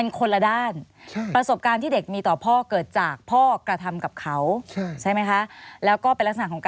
ในด้านลบอันนี้ภาพกว้าง